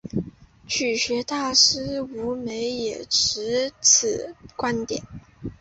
曲学大师吴梅也持此观点。